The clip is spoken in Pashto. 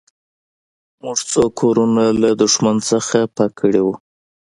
موږ څو کورونه له دښمن څخه پاک کړي وو